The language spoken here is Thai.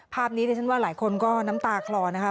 ภาพนี้ดิฉันว่าหลายคนก็น้ำตาคลอนะคะ